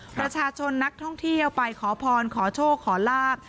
ประชาชนนักท่องเที่ยวไปขอพรขอโชคขอลาบ